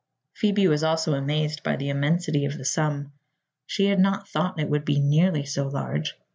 Phoebe was also amazed by the immensity of the sum. She had not thought it would be nearly so large.